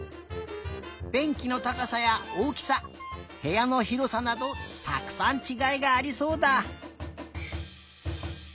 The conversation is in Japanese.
べんきのたかさやおおきさへやのひろさなどたくさんちがいがありそうだ！